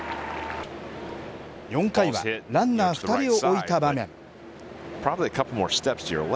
４回はランナー２人を置いた場面。